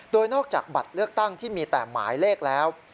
โดยนอกจากบัตรเลือกตั้งที่มีแต่หมายเลขแล้ว